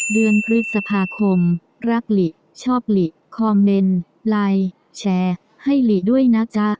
เดือนพฤษภาคมรักหลิชอบหลีคอมเมนต์ไลน์แชร์ให้หลีด้วยนะจ๊ะ